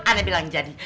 ana bilang jadi